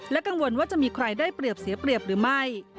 กังวลว่าจะมีใครได้เปรียบเสียเปรียบหรือไม่